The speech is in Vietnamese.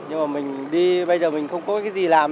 nhưng mà mình đi bây giờ mình không có cái gì làm